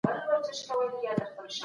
بد فکر بد ژوند جوړوي